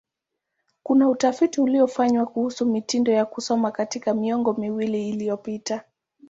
Kuna utafiti uliofanywa kuhusu mitindo ya kusoma katika miongo miwili iliyopita.